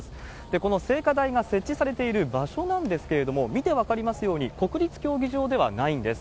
この聖火台が設置されている場所なんですけれども、見て分かりますように、国立競技場ではないんです。